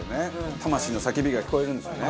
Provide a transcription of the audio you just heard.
魂の叫びが聞こえるんですよね。